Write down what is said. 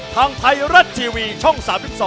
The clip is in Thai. ทางไทยรัฐทีวีช่อง๓๒